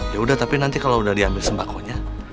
yaudah tapi nanti kalau udah diambil sembakonya